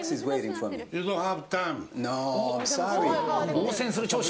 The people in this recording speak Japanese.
応戦する長州。